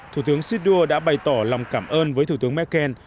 thủ tướng shidua đã bày tỏ lòng cảm ơn với thủ tướng merkel